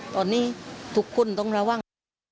ตอนนี้ทุกคนต้องระวัง